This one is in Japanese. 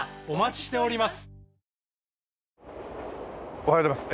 おはようございます。